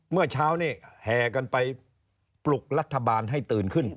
เมื่อเช้านี้แห่กันไปปลุกรัฐบาลให้ตื่นขึ้น